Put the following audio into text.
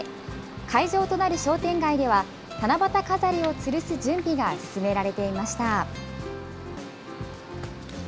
会場となる商店街では、七夕飾りをつるす準備が進められていました。